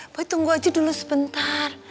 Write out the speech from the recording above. gue tunggu aja dulu sebentar